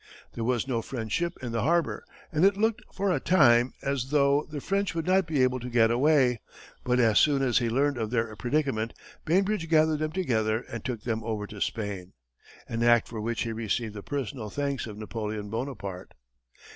There was no French ship in the harbor, and it looked, for a time, as though, the French would not be able to get away, but as soon as he learned of their predicament, Bainbridge gathered them together and took them over to Spain an act for which he received the personal thanks of Napoleon Bonaparte.